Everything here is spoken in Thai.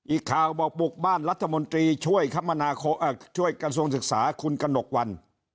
อีกข่าวบอกบุกบ้านรัฐมนตรีช่วยคมนาช่วยกระทรวงศึกษาคุณกระหนกวัน